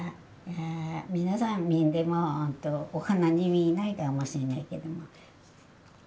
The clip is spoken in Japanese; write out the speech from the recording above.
皆さん見てもお花に見えないかもしれないけど。